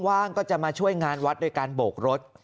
ว่างก็จะมาช่วยงานวัดโดยการโบกรถ